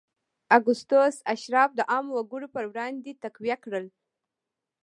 اګوستوس اشراف د عامو وګړو پر وړاندې تقویه کړل.